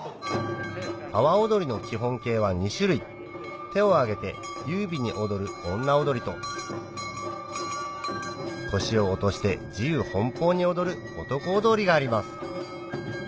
阿波おどりの基本形は２種類手を上げて優美に踊る腰を落として自由奔放に踊るがあります